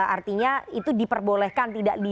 artinya itu diperbolehkan tidak